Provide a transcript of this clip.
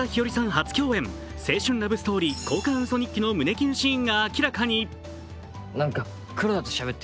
初共演、青春ラブストーリー「交換ウソ日記」の胸キュンシーンが明らかに。